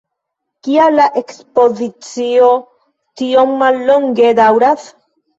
Kial la ekspozicio tiom mallonge daŭras?